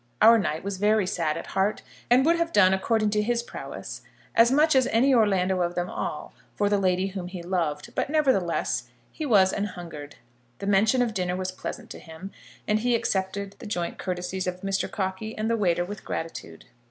Our knight was very sad at heart, and would have done according to his prowess as much as any Orlando of them all for the lady whom he loved, but nevertheless he was an hungered; the mention of dinner was pleasant to him, and he accepted the joint courtesies of Mr. Cockey and the waiter with gratitude.